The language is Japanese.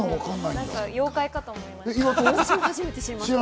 妖怪かと思いました。